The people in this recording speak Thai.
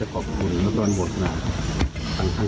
คุณหน้าหมอคะคุณคุณนะคะ